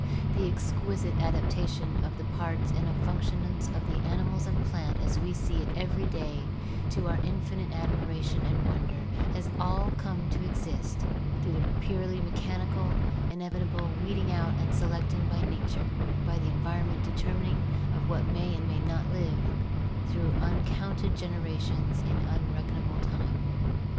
The exquisite adaptation of the parts and functions of the animal and plant as we see it every day to our in finite admiration and wonder has all come to exist through the purely mechanical, inevitable weeding out and selecting by nature (by the environmental determining of what may and what may not live) through uncounted generations in unredeemable time.